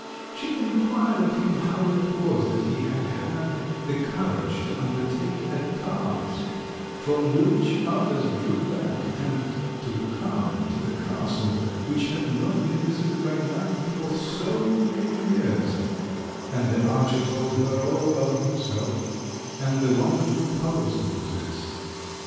She inquired of him how it was that he had had the courage to undertake a task from which others drew back, and to come to the castle which had not been visited by man for so many years, and the archer told her all about himself and the wonderful powers he possessed.